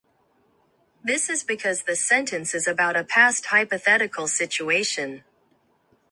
This is because the sentence is about a past hypothetical situation.